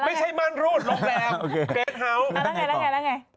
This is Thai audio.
ไม่ใช่ม่านรูดลงแรงเกรดเฮาส์